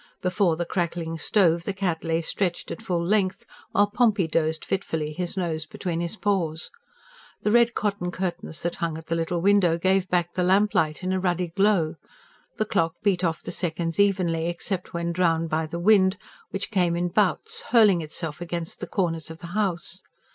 Before the crackling stove the cat lay stretched at full length, while Pompey dozed fitfully, his nose between his paws. The red cotton curtains that hung at the little window gave back the lamplight in a ruddy glow; the clock beat off the seconds evenly, except when drowned by the wind, which came in bouts, hurling itself against the corners of the house.